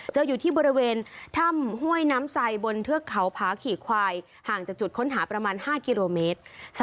อยู่ที่บริเวณถ้ำห้วยน้ำไซบนเทือกเขาผาขี่ควายห่างจากจุดค้นหาประมาณ๕กิโลเมตร